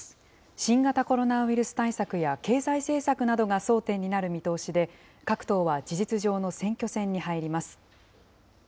新型コロナウイルス対策や経済政策などが争点になる見通しで、各党は事実上の選挙戦に入ります。